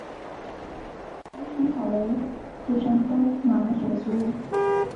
黄猄草为爵床科马蓝属的植物。